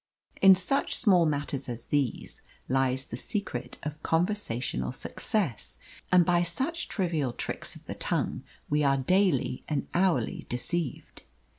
In such small matters as these lies the secret of conversational success, and by such trivial tricks of the tongue we are daily and hourly deceived.